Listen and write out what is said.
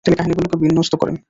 তিনি কাহিনিগুলিকে বিন্যস্ত করেন।